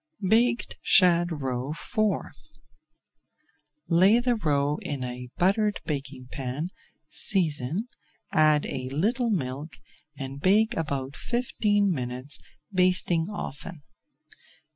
BAKED SHAD ROE IV Lay the roe in a buttered baking pan, season, add a little milk, and bake about fifteen minutes, basting often.